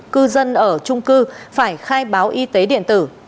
cư dân ở trung cư phải khai báo y tế điện tử